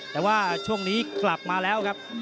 แต่ว่าช่วงนี้กลับมาแล้วครับ